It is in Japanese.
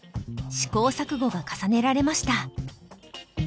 試行錯誤が重ねられました。